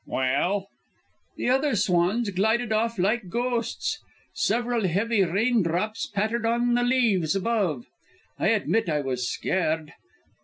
"Well?" "The other swans glided off like ghosts. Several heavy raindrops pattered on the leaves above. I admit I was scared.